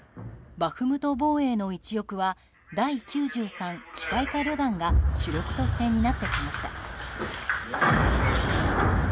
バフムト防衛の一翼は第９３機械化旅団が主力として担ってきました。